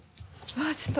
あっちょっと。